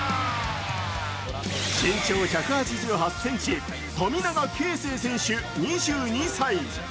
身長１８８ｃｍ、富永啓生選手、２２歳。